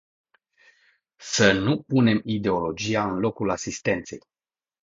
Să nu punem ideologia în locul asistenței.